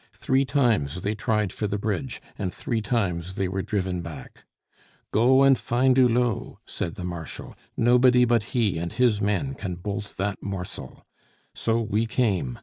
Three times they tried for the bridge, and three times they were driven back. 'Go and find Hulot!' said the Marshal; 'nobody but he and his men can bolt that morsel.' So we came.